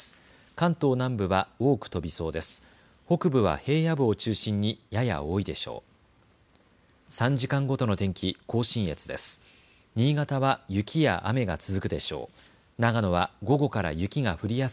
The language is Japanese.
関東南部は多く飛びそうです。